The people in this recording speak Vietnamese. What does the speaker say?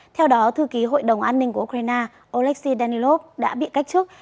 theo đó thư ký hội đồng an ninh của ukraine oleksiy danilov đã bị cách trước